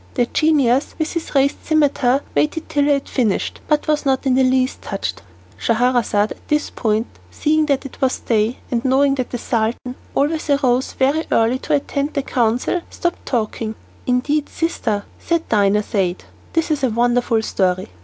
The genius, with his raised scimitar, waited till he had finished, but was not in the least touched. Scheherazade, at this point, seeing that it was day, and knowing that the Sultan always rose very early to attend the council, stopped speaking. "Indeed, sister," said Dinarzade, "this is a wonderful story."